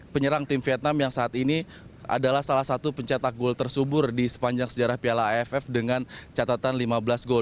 penyerang tim vietnam yang saat ini adalah salah satu pencetak gol tersubur di sepanjang sejarah piala aff dengan catatan lima belas gol